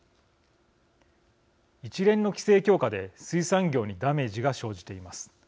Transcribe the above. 一連の規制強化で水産業にダメージが生じています。